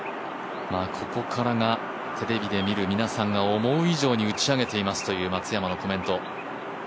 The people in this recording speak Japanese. ここからがテレビで見る皆さんが思う以上に打ち上げていますという松山のコメント。